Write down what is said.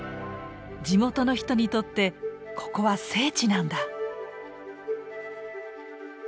地元の人にとってここは聖地なんだ。